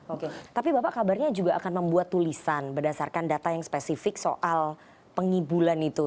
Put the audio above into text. oke tapi bapak kabarnya juga akan membuat tulisan berdasarkan data yang spesifik soal pengibulan itu